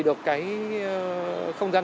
được cái không gian